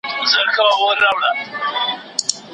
لا ویني پر لکړه د زانګو ماشوم خوبونه